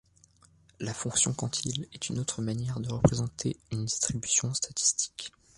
La fonction quantile est une autre manière de représenter une distribution statistique.